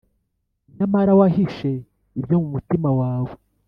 nyamara wahishe ibyo mu mutima wawe